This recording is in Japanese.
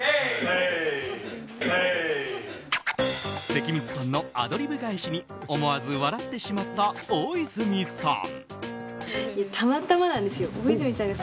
関水さんのアドリブ返しに思わず笑ってしまった大泉さん。